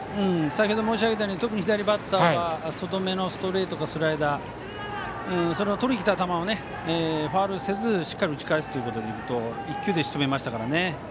先ほど申し上げたように特に左バッターは外めのストレートかスライダーそれをとりにきた球をファウルせずしっかり打ち返すということでいうと１球でしとめましたからね。